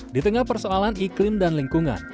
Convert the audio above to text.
di tengah persoalan iklim dan lingkungan